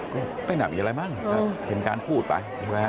ก็ไม่แน่มีอะไรมั้งก็เป็นการพูดไป